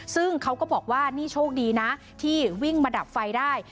ซึ่งเขาก็บอกว่านี่โชคดีนะที่วิ่งมาดับไฟได้